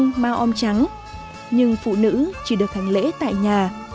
phụ nữ mặc váy trắng và đội khanh mao ôm trắng nhưng phụ nữ chỉ được hành lễ tại nhà